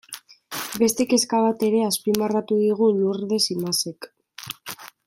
Beste kezka bat ere azpimarratu digu Lurdes Imazek.